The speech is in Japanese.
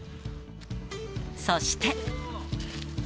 そして。